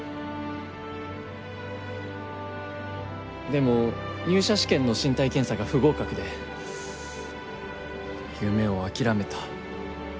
でも入社試験の身体検査が不合格で夢を諦めた。